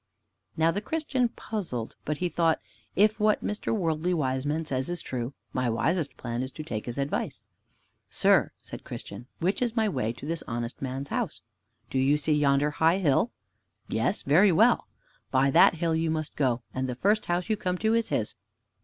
Now the Christian puzzled, but he thought, "If what Mr. Worldly Wiseman says is true, my wisest plan is to take his advice." "Sir," said Christian, "which is my way to this honest man's house?" "Do you see yonder high hill?" "Yes, very well." "By that hill you must go, and the first house you come to is his."